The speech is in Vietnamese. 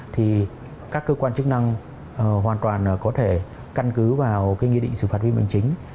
thì các cơ quan chức năng hoàn toàn có thể căn cứ vào cái nghị định xử phạt phi phạm hành chính